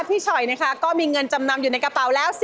ฉอยนะคะก็มีเงินจำนำอยู่ในกระเป๋าแล้ว